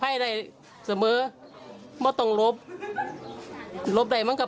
ทุกคนให้อภัยเรื่องแบบนี้สำเนิน